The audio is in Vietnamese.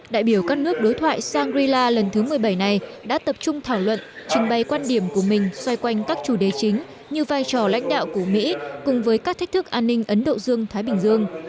đại biểu các nước đối thoại shangri la lần thứ một mươi bảy này đã tập trung thảo luận trình bày quan điểm của mình xoay quanh các chủ đề chính như vai trò lãnh đạo của mỹ cùng với các thách thức an ninh ấn độ dương thái bình dương